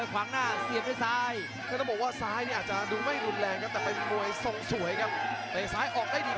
โปรดติดตามตอนต่อไป